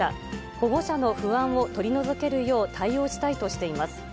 保護者の不安を取り除けるよう対応したいとしています。